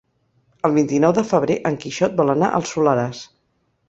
El vint-i-nou de febrer en Quixot vol anar al Soleràs.